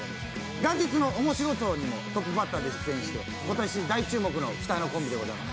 元日の「おもしろ荘」にもトップバッターで出演して今年大注目の期待のコンビでございます。